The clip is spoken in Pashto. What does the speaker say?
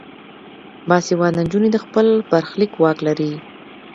باسواده نجونې د خپل برخلیک واک لري.